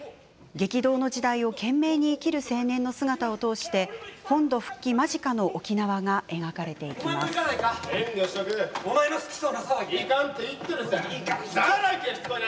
激動の時代を懸命に生きる青年の姿を通して本土復帰間近の沖縄が描かれていきます。